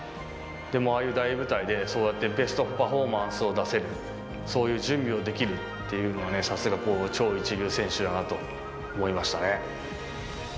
でもああいう大舞台で、そうやってベストパフォーマンスを出せる、そういう準備をできるっていうのは、さすが超一流選手だなと思いましたね。